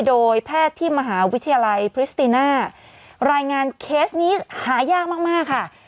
โดยแพทย์ที่มหาวิทยาลัยพริสติน่ารายงานเคสนี้หายากมากค่ะ